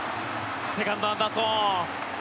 セカンド、アンダーソン。